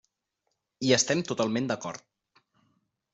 Hi estem totalment d'acord.